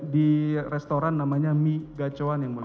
di restoran namanya mi gacawan yang mulia